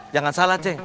jangan salah ceng